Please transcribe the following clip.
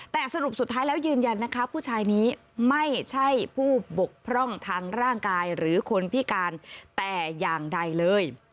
แต่สรุปสุดท้ายแล้วยืนยันนะคะผู้ชายนี้ไม่ใช่ผู้บกพร่องทางร่างกายหรือคนพิการแต่อย่างใดเลย